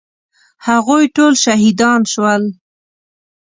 هغوی ټول شهیدان شول.